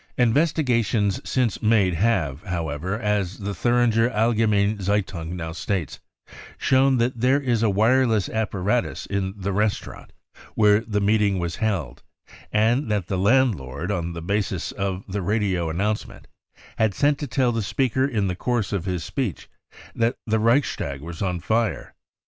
Investiga tions since made have, however, as the Thiiringer Allgemeine Zeitung now states, shown that there is a wireless apparatus in the restaurant where the meeting was held, and that the landlord, on the basis of the I I radio announcement, had sent to tell the speaker in the course of his speech that the Reichstag was on fire.